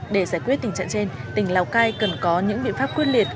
để giải quyết tình trạng trên tỉnh lào cai cần có những biện pháp quyết liệt